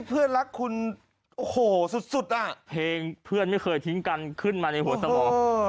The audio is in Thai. เพลงเพื่อนไม่เคยทิ้งกันขึ้นมาในหัวสมอง